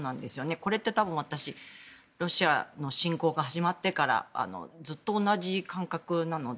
これってたぶんロシアの侵攻が始まってから私、ずっと同じ感覚なので。